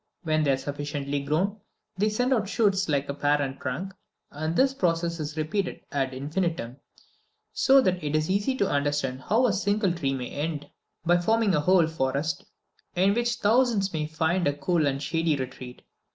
When they are sufficiently grown, they send out shoots like the parent trunk; and this process is repeated ad infinitum, so that it is easy to understand how a single tree may end by forming a whole forest, in which thousands may find a cool and shady retreat.